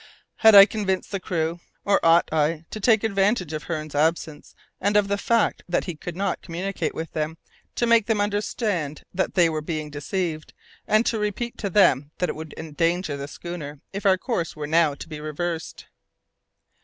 Had I convinced the crew, or ought I to take advantage of Hearne's absence and of the fact that he could not communicate with them to make them understand that they were being deceived, and to repeat to them that it would endanger the schooner if our course were now to be reversed.